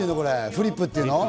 フリップって言うの？